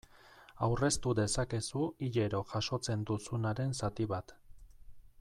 Aurreztu dezakezu hilero jasotzen duzubaren zati bat.